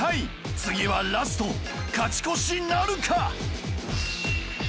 次はラスト勝ち越しなるか？